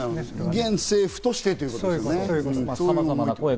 現政府としてということですね。